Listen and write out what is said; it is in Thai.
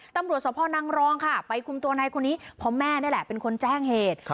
ตำรวจสพนังรองค่ะไปคุมตัวในคนนี้เพราะแม่นี่แหละเป็นคนแจ้งเหตุ